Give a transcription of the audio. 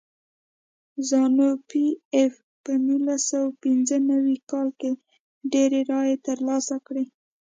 زانو پي ایف په نولس سوه پنځه نوي کال کې ډېرې رایې ترلاسه کړې.